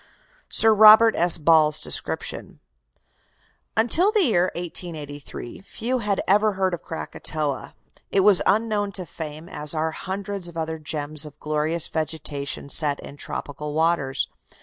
SIR ROBERT S. BALL'S DESCRIPTION "Until the year 1883 few had ever heard of Krakatoa. It was unknown to fame, as are hundreds of other gems of glorious vegetation set in tropical waters.